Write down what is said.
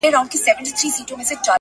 o د ګیلاس لوري د شراب او د مینا لوري.